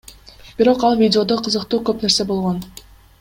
Бирок ал видеодо кызыктуу көп нерсе болгон.